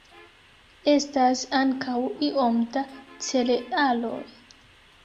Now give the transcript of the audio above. Estas ankaŭ iom da cerealoj.